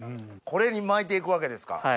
これに巻いて行くわけですか？